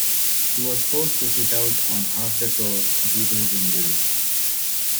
He was forced to sit out on half the tour due to his injury.